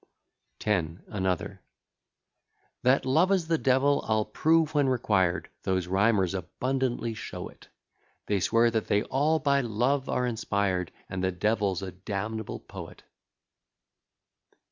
X. ANOTHER That love is the devil, I'll prove when required; Those rhymers abundantly show it: They swear that they all by love are inspired, And the devil's a damnable poet.